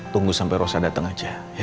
tunggu sampai rosa dateng aja ya